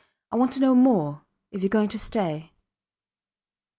I want to know more if youre going to stay.